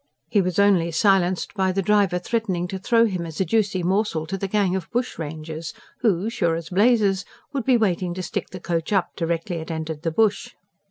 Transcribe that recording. He was only silenced by the driver threatening to throw him as a juicy morsel to the gang of bushrangers who, sure as blazes, would be waiting to stick the coach up directly it entered the bush.